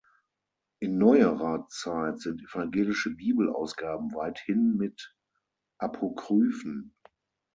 In neuerer Zeit sind evangelische Bibelausgaben weithin mit Apokryphen.